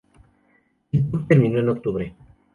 El tour terminó en octubre.